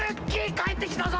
帰ってきたぞ！